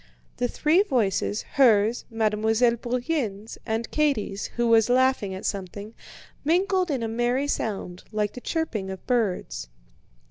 The three voices, hers, Mademoiselle Bourienne's, and Katie's, who was laughing at something, mingled in a merry sound, like the chirping of birds.